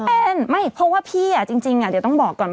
เป็นไม่เพราะว่าพี่จริงเดี๋ยวต้องบอกก่อนว่า